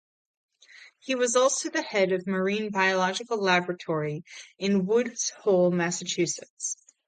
He was also the head of Marine Biological Laboratory in Woods Hole, Massachusetts.